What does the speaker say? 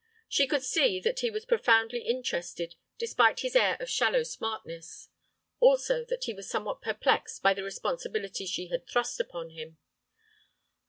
She could see that he was profoundly interested despite his air of shallow smartness. Also that he was somewhat perplexed by the responsibility she had thrust upon him.